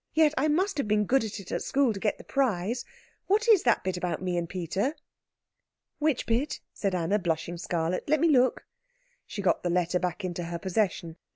Yet I must have been good at it at school, to get the prize. What is that bit about me and Peter?" "Which bit?" said Anna, blushing scarlet. "Let me look." She got the letter back into her possession.